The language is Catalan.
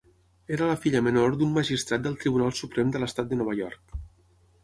Era la filla menor d'un magistrat del Tribunal Suprem de l'estat de Nova York.